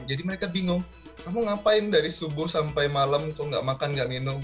jadi mereka bingung kamu ngapain dari subuh sampai malam kok nggak makan nggak minum